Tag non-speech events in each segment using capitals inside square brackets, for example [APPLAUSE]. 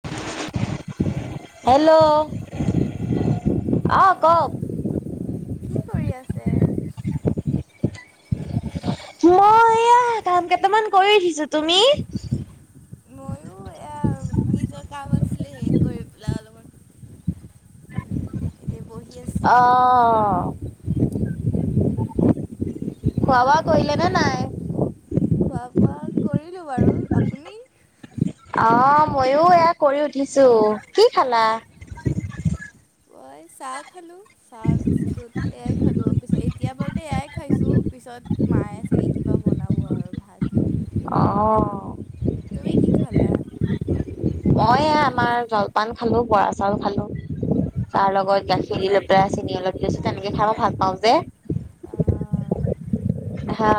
[INAUDIBLE] Hello, অ, কওক। কি কৰি আছে? মই এয়া কাম কেইটামান কৰিদিছো। তুমি? ময়ো এয়া নিজৰ কাম আছিলে হে কৰি পেলালো অলপমান। অ', খোৱা বোৱা কৰিলে নে নাই? খোৱা বোৱা কৰিলো বাৰু আপুনি? অ, ময়ো এয়া কৰি উঠিছো। কি খালা? মই চাহ খালো চাহ বিস্কুট এয়াই খালো পিছত এতিয়া বাৰুতে এয়াই খাইছোঁ, পিছত মায়ে চাগে কিবা বনাব আৰু ভাত। অহ, তুমি কি খালা? মই এ আমাৰ জলপান, খালো বৰা চাউল খালো। তাৰ লগত গাখীৰ দি লৈ পেলাই চেনি অলপ দি লৈছো তেনেকে খাই ভাল পাওঁ যে। অ, হা,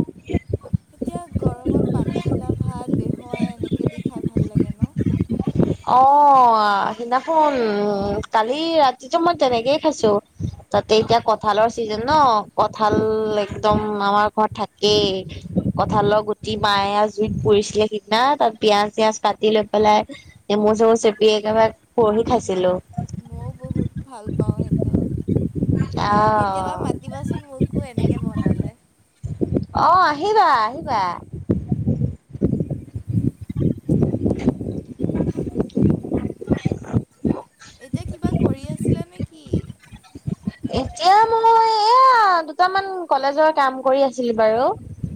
[INAUDIBLE] এতিয়া গৰমত পানী ধলা ভাত বেহুৱা এনেকৈ দি খাই ভাল লাগে ন? অহ, সিনাখন কালি ৰাতিটো মই তেনেকেই খাইছো। তাতে এতিয়া কঁঠালৰ চিজন ন' কঁঠাল একদম আমাৰ ঘৰত থাকেই। কঁঠালৰ গুটি মায়ে জুইত পুৰিছিলে সিদিনা, তাত পিয়ঁয়াজ, চিয়াজ কাতি লৈ পেলাই এ মোৰ চবোৰ চেপিয় একেবাৰে পৰহি খাইছিলো। ময়ো বহুত ভাল পাওঁ সিহটো। কেতিয়াবা মাতিবাচোন মোকো এনেকে বনালে। অ' আহিবা-আহিবা। [INAUDIBLE] এতিয়া কিবা কৰি আছিলে নে কি? এতিয়া মানে এয়া অ, দুটামান কলেজৰ কাম কৰি আছিলো বাৰু,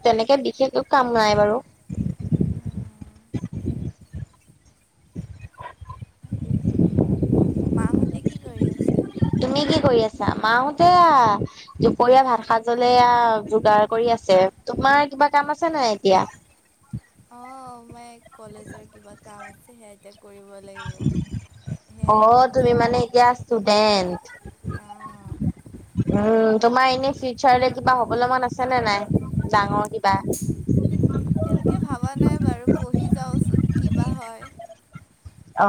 তেনেকে বিশেষ কাম নাই বাৰু। উম, মাহঁতে কি কৰি আছে? তুমি কি কৰি আছা? মাহতে দুপৰীয়া ভাত সাজলে যোগাৰ কৰি আছে, তোমাৰ কিবা কাম আছে নহাই এতিয়া। অ, মই কলেজৰ কিবা কাম আছে সেয়া এতিয়া কৰিব। ভ। [UNINTELLIGIBLE] অ, তুমি মানে এতিয়া ষ্টুডেন্ট। উম, তোমাৰ এনে ফিউচাৰলে কিবা হবলে মন আছেনে নাই ডাঙৰ কিবা। এতিয়ালৈকে ভাবা নাই বাৰু পঢ়ি যাওচোন কিবা হয়? অ,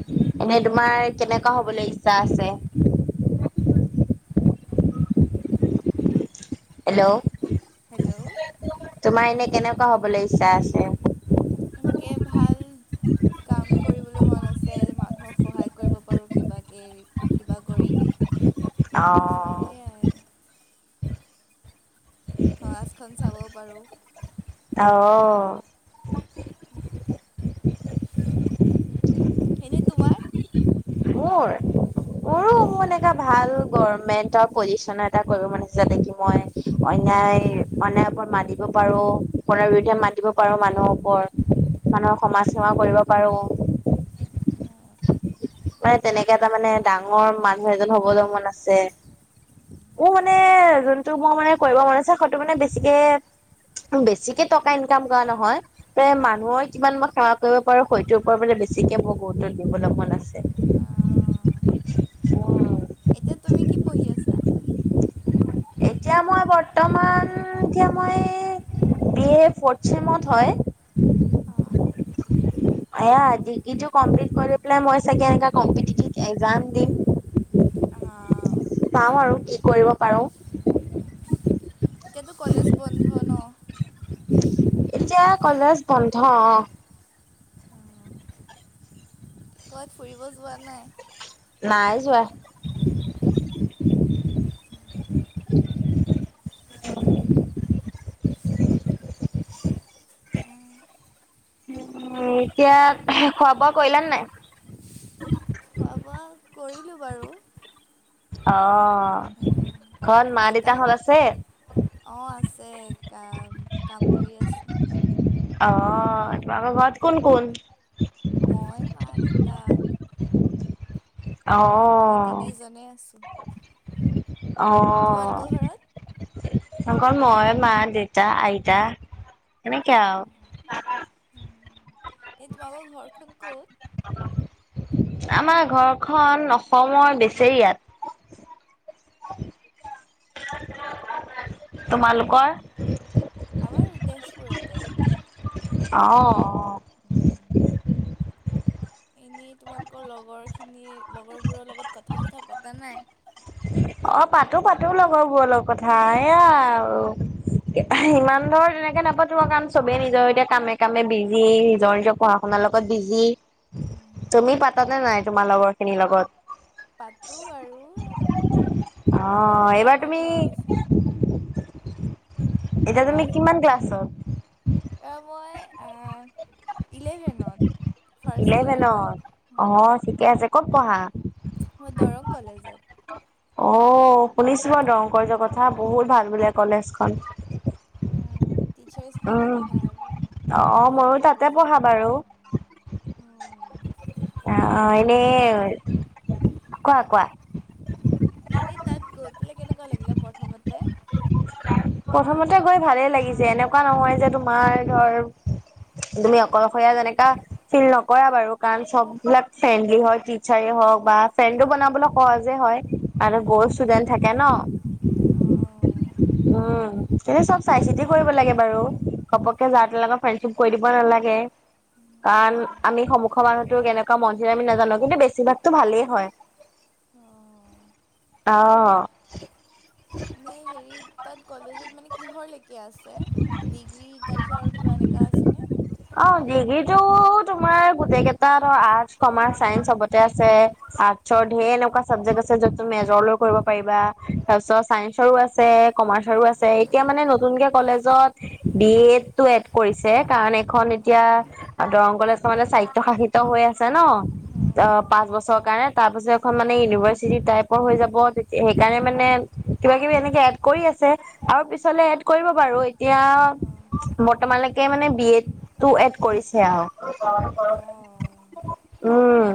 এনে তোমাৰ কেনেুৱা হবলৈ ইচ্ছা আছে? হেল্ল', হেল্ল', তোমাৰ এনে কেনেকুৱা হবলে ইচ্ছা আছে? এনেকে ভাল কাম কৰিবলে মন আছে। মানুহক সহায় কৰিব পাৰোঁ কিবাকেই কিবা কৰি। সেয়াই। সমাজখন চাব পাৰোঁ। অ', এনেই তোমাৰ? মোৰ। মূৰো মন এটা ভাল গমেন্টৰ পজিশনৰ এটা কৰিব মন আছে যাতেকি মই অন্যয়ায় অনয়ায়ৰ ওপৰত মাত দিব পাৰোঁ, অন্যাইৰ বিৰুদ্ধে মাতিব পাৰোঁ মানুহৰ ওপৰত। মানুহৰ সমাজ সেৱা কৰিব পাৰোঁ। মানে তেনেকে এটা মানে ডাঙৰ মানুহ এজন হবলৈ মন আছে। মোৰ মানে যোনটো মোৰ মানে কৰিব মন আছে হয়তো মানে বেছিকে বেছিকে টকা ইনকাম কৰা নহয় প্ৰ মানুহৰ কিমান মই সেৱা কৰিব পাৰোঁ সেইটোৰ ওপৰত মানে বেছিকে মোৰ গুৰুত্ব দিবলৈ মন আছে। অ'। এতিয়া তুমি কি পঢ়ি আছা? এতিয়া মই বৰ্তমান এতিয়া মই বি এ ফৌৰ্ত ছেমত হয়। অ'। আয়া ডিগ্ৰী টো কমপ্লিট কৰিপেলৈ মই চাগে এনেকা কম্পিতিতিভ এক্সাম দিম। আ, হা, উম। চাওঁ আৰু কি কৰিব পাৰোঁ। এতিয়াতো কলেজ বন্ধ ন? এতিয়া কলেজ বন্ধ অ'। কৰ্বাত ফুৰিব যোৱা নাই? নাই যোৱা। [UNINTELLIGIBLE] উম, এতিয়া খোৱা বোৱা কৰিলা নাই? খোৱা বোৱা কৰিলোঁ বাৰু। অ'। উম, আইটাহত অ', আছে কাম-কাম কৰি আছে। অ', তোমালোকৰ ঘৰত কোন-কোন? মই, মা, দেউতা। আমি তিনিজনে আছোঁ। অ'। অকল মই, মা, দেউতা, আইতা, সেনেকে আৰু। উম, এই তোমালোকৰ ঘৰখন ক'ত? আমাৰ ঘৰখন অসমৰ বেচেৰিয়াত। [UNINTELLIGIBLE] অ', আমাৰ তেজপুৰতে। অ'। এনেই তোমালোকৰ লগৰখিনিৰ লগৰবোৰৰ লগত কথা চথা পতা নাই? অ', পাতো-পাতো লগৰ বোৰৰ লগত কথা এয়া আৰু। ইমান ধৰ তেনেকে নাপাতো কাৰণ চবে নিজৰ এতিয়া কামে-কামে বিজি নিজৰ-নিজৰ পঢ়া আপোনাৰ লগত বিজি, তুমি পাত নে নাই তোমাৰ লগৰ খিনিৰ লগত? পাতো বাৰু, এতিয়া আমাৰ ঘৰ উচৰত এতিয়া তুমি কিমান ক্লাছত? মই আ, ইলেভেনত। ইলেভেনত? অ', ঠিকে আছে। ক'ত পঢ়া? মই দৌৰং কলেজত। অ', শুনিছোঁ মই দৰং কলেজৰ কথা বহুত ভাল বোলে কলেজখন। টিচাৰছবিলাক ভাল, ভালকৈ বুজায় মেমবিলাক অ', অ', এনেই, কোৱা কোৱা। এনে তাত গৈ পেলাই কেনেকুৱা লাগিলে প্ৰথমতে? প্ৰথমতে গৈ ভালে লাগিছে এনেকুৱা নহয় যে তোমাৰ ধৰ তুমি অকলশৰীয়া যেনেকা ফিল নকৰা বাৰু কাৰণ চব বিলাক ফ্ৰেণ্ডলি হয় টিচাৰে হওঁক বা ফ্ৰেণ্ডো বনাবলৈ সহজে হয় আৰু গল ষ্টুডেণ্ট থাকে ন? অ'। উম, কেনে চব চাই-চিতি কৰিব লাগে বাৰু ঘপককে যাৰ তাৰ লগত ফ্ৰেণ্ডশ্বিপ কৰি দিব নালাগে। কাৰণ আমি সন্মুখৰ মানুহতো কেনেকুৱা মন সেইটো আমি নেজানো, কিন্তু বেছিভাগতো ভালেই হয়। অ'। অ'। এ হেৰি তাত কলেজত মানে কিহৰ লেকে আ ছে? ডিগ্ৰী তাৰপিছত আৰু কিবা এনেকা আছেনে? অ', ডিগ্ৰীটো তোমাৰ গোটেই কেইটা ধৰ আৰ্টচ, কমাৰ্চ, চাইন্স সবতে আছে। আৰ্টচৰ ধেৰ এনেকুৱা চাবজেক্ট আছে যত তুমি মেজৰ লৈ কৰিব পাৰিবা, তাৰপিছত চাইন্সৰো আছে কমাৰ্চৰো আছে। এতিয়া মানে নতুনকে কলেজত বি এডটো এড কৰিছে, কাৰণ এখন এতিয়া আৰু দৰং কলেজখন মানে স্বায়িত্ব সাহিত্য হৈ আছে ন। অ', পাঁচ বছৰৰ কাৰণে তাৰপিছত এখন মানে ইউনিভাৰ্চিটি টাইপৰ হৈ যাব তেতি সেইকাৰণে মানে কিবা-কিবি এনেকে এড কৰি আছে আৰু পিছলে এড কৰিব বাৰু এতিয়া, বৰ্তমানলৈকে মানে বি এডটো এড কৰিছে আও। উম।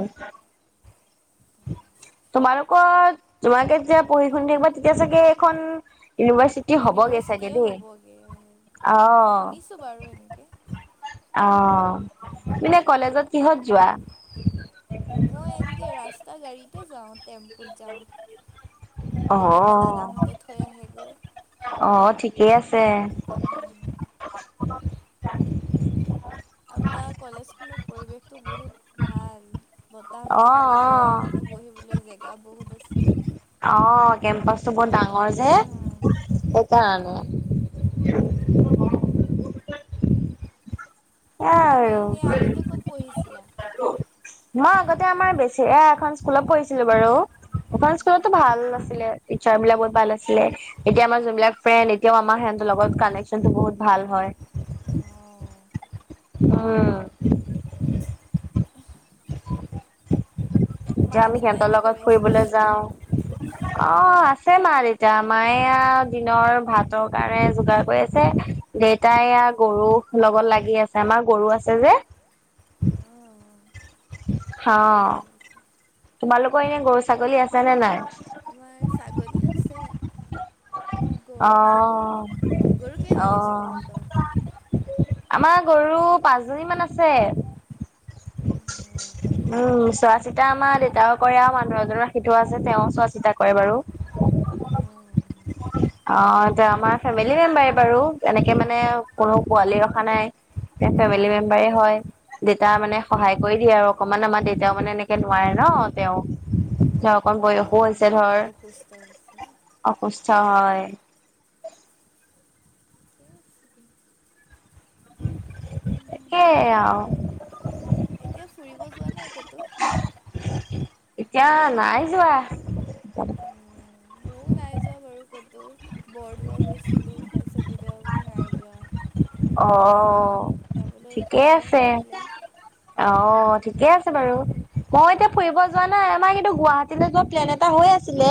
তোমালোকৰ, তোমালাকে যেতিয়া পঢ়ি-শুনি থাকিবা তেতিয়া চাগে এইখন ইউনিভাৰ্চিটি হবগে চাগে দেই, অ'। অ', এনে কলেজত কিহত যোৱা? মই এনকে ৰাস্তা গাড়ী তে যাওঁ, টেম্পুত যাওঁ। কেতিয়াবা দাদাহঁতে থৈ আহেগৈ। অ', ঠিকেই আছে। আও তাৰ কলেজখনৰ পৰিৱেশটো বহুত ভাল। বতাহ মাৰি থাকে, গৰমতো বহিবলৈ জেগা বহুত আছে। অ', কেম্পাচটো বৰ ডাঙৰ যে, সেকাৰণে। অ'। তুমি এনে আগতে ক'ত পঢ়িছিলা? মই আগতে আমাৰ বেছি, এ এখন স্কুলত পঢ়িছিলো বাৰু এইখন স্কুলতো ভাল আছিলে। টিচাৰ বিলাক বহুত ভাল আছিলে। এতিয়া আমাৰ যোনবিলাক ফ্ৰেণ্ড এতিয়াও আমাৰ সেনতৰ লগত কানেকশচনটো বহুত ভাল হয়। অ'। উম। মা-দেউতাই কি কৰি আছে? যাওঁ [UNINTELLIGIBLE] অ', আছে মা-দেউতাই, মায়ে এয়া দিনৰ ভাতৰ কাৰণে যোগাৰ কৰি আছে দেউতাই এয়া গৰু লগত লাগি আছে, আমাৰ গৰু আছে যে। হা, তোমালোকৰ এনে গৰু ছাগলী আছে নে নাই? নাই, ছাগলী আছে। গৰু নাই বাৰু। গৰু কেইজনী আছে তোমালোকৰ? আমাৰ গৰু পাঁচজনী মান আছে। উম। উম, চোৱা চিতা আমাৰ দেউতাও কৰে আৰু মানুহ এজন ৰাখি থোৱা আছে, তেওঁ চোৱা চিতা কৰে বাৰু। অ', তেওঁ আমাৰ ফেমেলি মেম্বাৰে বাৰু, এনেকে মানে কোনো পোৱালি ৰখা নাই। তেওঁ ফেমিলি মেম্বাৰে হয়। দেউতা মানে সহায় কৰি দিয়ে আৰু অকমান আমাৰ দেউতাও মানে এনেকে নোৱাৰে ন তেওঁ, অ অ অসুস্থ হৈছো। অসুস্থ হয়। তাকে আও। এতিয়া ফুৰিব যোৱা নাই ক'তো। এতিয়া নাই যোৱা। ময়ো নাই যোৱা বাৰু ক'তো বৰদোৱা গৈছিলোঁ তাৰপিছত দিদা বুলি নাই যোৱা। অ, যাবলৈ সময় নিমিলে। অ ঠিকে আছে বাৰু মই এতিয়া ফুৰিব যোৱা নাই আমাৰ কিন্তু গুৱাহাটী লে যোৱা প্লেন এটা হৈ আছিলে।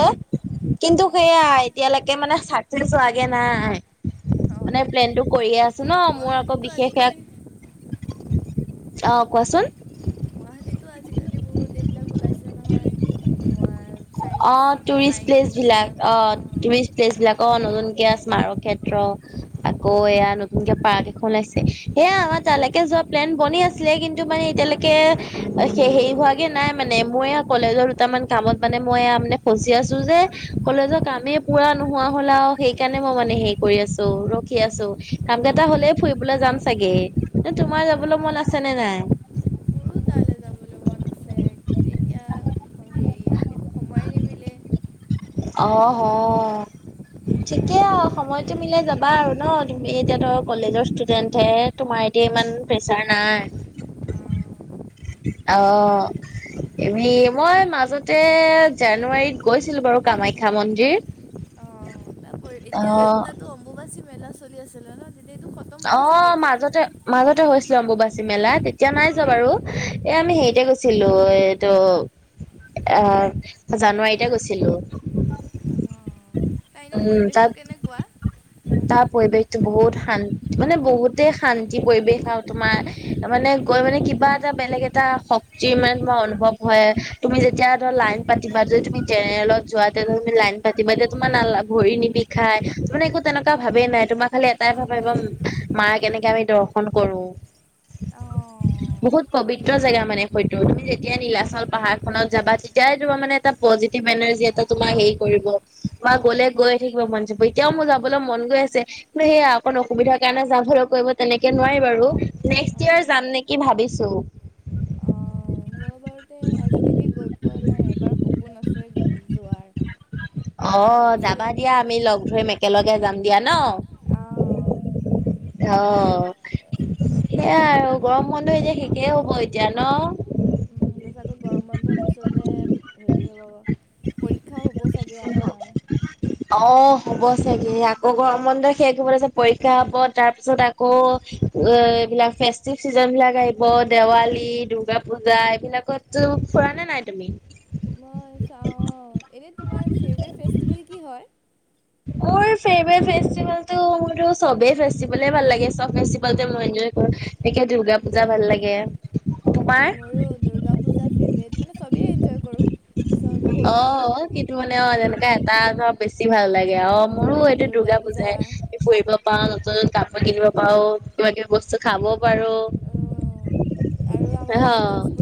কিন্তু সেয়াই এতিয়ালৈকে মানে চাকচেচ হাৱাগে নাই। মানে প্লেনতটো কৰিয়ে আছে, ন মোৰ আকৌ বিশেষ এক অ কোৱাচোন। গুৱাহাটীতো আজিকালি বহুত ডেভেলপ ওলাইছে নহয় ম চাই চাইন মিউজিয়াম অ, প্লেচ বিলাকৰ নতুনকে স্মাৰক ক্ষেত্ৰ আকৌ এয়া নতুনকে পাৰ্ক এ ওলাইছে সেয়া আমাৰ তালৈকে যোৱা প্লেন বনি আছিলে কিন্তু মানে এতিয়ালৈকে। স সেৰি হোৱাগে নাই মানে মই কলেজৰ দুটামান কামত মানে। মই এ মানে ফচি আছো যে কলেজৰ কামেই পুৰা নোহোৱা হল আৰু সেইকাৰণে মই মানে সেই, ফু আছো ৰখি আছো কাম কেইটা হলে ফুৰিবলৈ যাম চাগেই তোমাৰ যাবলৈ মন আছে। আছেনে নাই। মোৰো তালৈ যাবলৈ মন আছে কিন্তু এতিয়া হেৰি সময়ে নিমিলে। অ আহ, ঠিকে সময়তটো মিলাই যাবা আৰু ন তুমি এতিয়া ত কলেজৰ ষ্টুডেন্ট হে। তোমাৰ এতিয়া ইমান প্ৰেচাৰ নাই। উম, অ, এ মই মাজতে জানুৱাৰীত গৈছিলো বাৰু কামাখ্যা মন্দিৰ। এতিয়া তাতো অম্বুকাচী মেলা চলি আছে ন তেতিয়া এইটো, অ মাজতে। মাজতে হৈছিলো অম্বুবাচী মেলা তেতিয়া নাই যোৱা বাৰু এই আমি হেৰিতে গৈছিলো এইটো, আহ জানুৱাৰীতে গৈছিলো। উম তাত, তাৰ পৰিৱেশটো বহুত শান্তি মানে বহুতে শান্তি পৰিৱেশ আৰু তোমাৰ। মানে গৈ মানে কিবা এটা বেলেগ এটা শক্তি হোৱা মানে তোমাৰ অনুভৱ হয়। তুমি যেতিয়া ধৰা লাইন পাতিবা যদি তুমি তেনেলত যোৱা তে তম লাইন পাতি তেতিয়া তম নালা ভৰি নিবি খাই মানে একো তেনেকুৱা ভাবেই নাই তোমাৰ খালি এটাই ভাবিব মা কেনেকে আমি দ দৰখন কৰোঁ। অ বহুত পবিত্ৰ জেগা মানে হয়তো তুমি যেতিয়া নীলাচল পাহাৰ খনত যাবা তেতিয়াই তোমাৰ মানে। এ পজিটিভ এনাৰ্জি এটা তোমাৰ হেৰি কৰিব বা গ'লে, গৈ থাকিব মন যাব এতিয়াও মোৰ যাবলৈ মন গৈ আছে। সেয়া অকন অসুবিধাৰ কাৰণে যাম হলে কৰিব তেনেকে নোৱাৰি বাৰু নেক্সট ইয়াৰ যাম নেকি ভাবিছো। বাৰতে আজিলৈকে গৈ পোৱা নাই এবাৰ সপোন আছে গৈ যোৱাৰ। অ যাবা দিয়া আমি লগ ধৰিম একেলগে যাম দিয়া ন। অ' অ' সেইয়া আৰু গৰম বন্ধ এতিয়া শেখেই হ'ব এতিয়া ন। উম, তাৰ পিচতে আকৌ গৰম বন্ধৰ পিছতে হেৰি হ'ব পৰীক্ষা হ'ব চাগে আমাৰ। অ হ'ব চাগে আকৌ গৰম বন্ধ শেষ হব লছে পৰীক্ষা হব তাৰপিছত আকৌ। এইবিলাক ফেষ্টিভ চিজন বিলাক আহিব দেৱালী দুৰ্গা, পূজা এইবিলাকতো ফুৰা নে নাই তুমি। মই চাওঁ এনেই তোমাৰ ফেভৰেট ফেষ্টিভেল কি হয়। মোৰ ফেভৰেত ফেষ্টিভেল টো মূৰটো চবে ফেষ্টিভেলে ভাল লাগে চব ফেষ্টি লগতে মই এনজয় কৰো [UNINTELLIGIBLE] দূৰ্গা পূজা ভাল লাগে। উম, মোৰো দুৰ্গা পূজা ফেভৰেট মানে চবেই এনজয় কৰোঁ। অ' কিন্তু মানে অ' তেনেকা এটা ধৰ বেছি ভাল লাগে। [UNINTELLIGIBLE] অ', মোৰো এইটো দুৰ্গা পূজাই ফুৰিব পাও নতুন-নতুন কাপোৰ কিনিব পাও। কিবাকিবি বস্তু খাব পাৰো। [UNINTELLIGIBLE]